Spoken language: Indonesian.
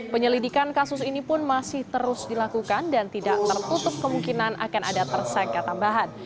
penyelidikan kasus ini pun masih terus dilakukan dan tidak tertutup kemungkinan akan ada tersangka tambahan